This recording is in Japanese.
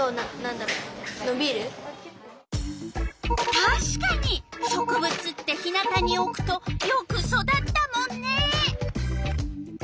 たしかに植物って日なたにおくとよく育ったもんね。